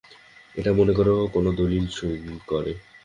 এই মনে করো, কোনো দলিলে সই করে।